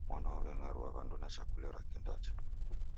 Mwana w'aw'eng'arua wandu na chakule rake ndacha